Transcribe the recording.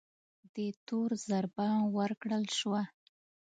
دې تور ضربه ورکړل شوه